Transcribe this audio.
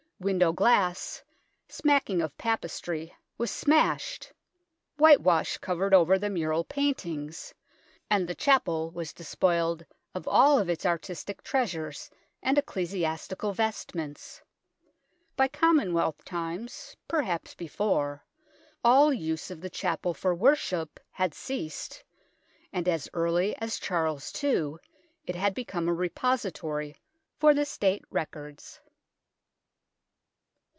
Window glass, smacking of Papistry, was smashed, whitewash covered over the mural paintings, and the Chapel was despoiled of all of its artistic treasures and ecclesiastical vestments. By Common wealth times, perhaps before, all use of the Chapel for worship had ceased, and as early as Charles II it had become a repository for the State records.